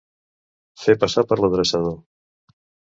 Fer passar per l'adreçador.